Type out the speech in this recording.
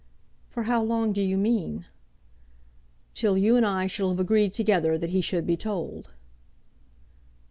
"For how long do you mean?" "Till you and I shall have agreed together that he should be told."